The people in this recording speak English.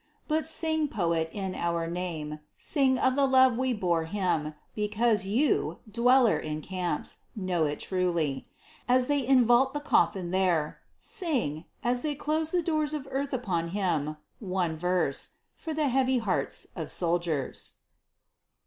But sing poet in our name, Sing of the love we bore him because you, dweller in camps, know it truly. As they invault the coffin there, Sing as they close the doors of earth upon him one verse, For the heavy hearts of soldiers.